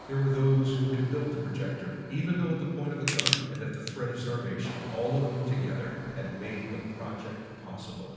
There were those who had built the projector, even though at the point of a gun, and at the threat of starvation. All of them together had made the project possible.